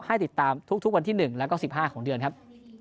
ให้ติดตามทุกวันที่๑แล้วก็๑๕ของเดือนครับ